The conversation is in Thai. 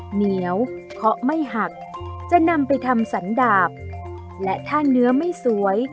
เหนียวเคาะไม่หักจะนำไปทำสันดาบและถ้าเนื้อไม่สวย